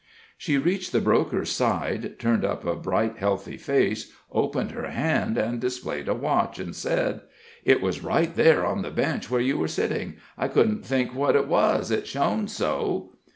She reached the broker's side, turned up a bright, healthy face, opened her hand and displayed a watch, and said: "It was right there on the bench where you were sitting. I couldn't think what it was, it shone so."